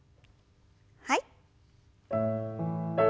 はい。